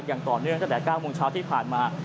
อย่างต่อเนื่องตั้งแต่๙โมงเช้าที่ผ่านมา